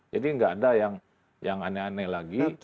jadi tidak ada yang aneh aneh lagi